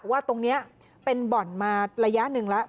ว่าตรงนี้เป็นบ่อนมาระยะหนึ่งแล้ว